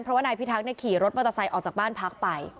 เพราะว่านายพิทักษ์ขี่รถมอเตอร์ไซค์ออกจากบ้านพักไป